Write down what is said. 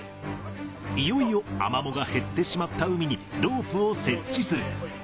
いよいよアマモが減ってしまった海にロープを設置する。